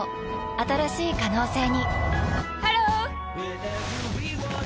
新しい可能性にハロー！